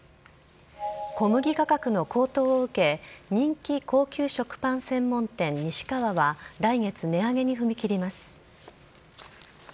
小麦価格の高騰を受け、人気高級食パン専門店、に志かわは、来月、値上げに踏み切ります。